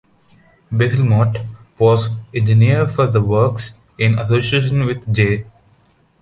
Basil Mott was Engineer for the works, in association with J.